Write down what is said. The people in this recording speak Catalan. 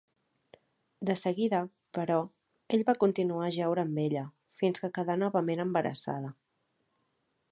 De seguida, però, ell va continuar a jeure amb ella, fins que quedà novament embarassada.